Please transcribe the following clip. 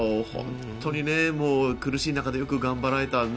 本当に苦しい中でよく頑張られた。